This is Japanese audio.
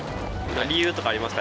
理由とかありますか？